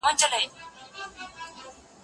زه کولای سم ليکنې وکړم،